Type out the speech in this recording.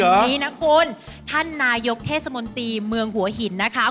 วันนี้นะคุณท่านนายกเทศมนตรีเมืองหัวหินนะคะ